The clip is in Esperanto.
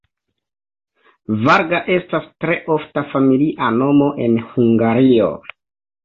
Varga estas tre ofta familia nomo en Hungario.